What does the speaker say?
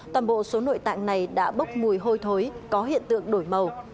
toàn bộ số nội tạng này đã bốc mùi hôi thối có hiện tượng đổi màu